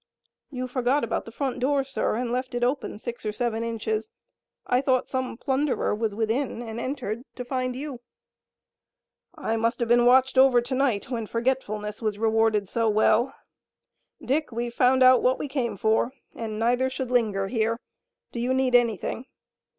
"You forgot about the front door, sir, and left it open six or seven inches. I thought some plunderer was within and entered, to find you." "I must have been watched over to night when forgetfulness was rewarded so well. Dick, we've found out what we came for and neither should linger here. Do you need anything?"